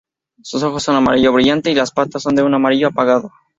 Sus ojos son amarillo brillante y las patas son de un amarillo apagado.